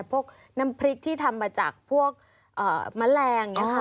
พวกน้ำพริกที่ทำมาจากพวกแมลงอย่างนี้ค่ะ